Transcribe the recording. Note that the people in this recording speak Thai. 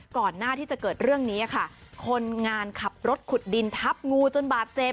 ก่อนหน้าที่จะเกิดเรื่องนี้ค่ะคนงานขับรถขุดดินทับงูจนบาดเจ็บ